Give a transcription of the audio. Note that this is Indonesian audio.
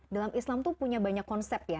dalam islam itu punya banyak konsep ya